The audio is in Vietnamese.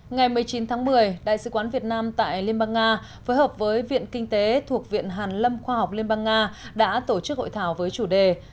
ngày một mươi chín tháng một mươi đại sứ quán việt nam tại liên bang nga phối hợp với viện kinh tế thuộc viện hàn lâm khoa học liên bang nga đã tổ chức hội thảo với chủ đề